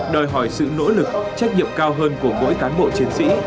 đòi hỏi sự nỗ lực trách nhiệm cao hơn của mỗi cán bộ chiến sĩ